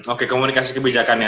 oke komunikasi kebijakannya